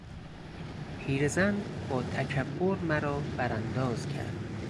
پیر زن باتکبر مرا برانداز کرد.